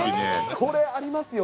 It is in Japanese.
これ、ありますよね。